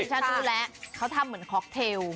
ฉันรู้แล้วเขาทำเหมือนค็อกเทล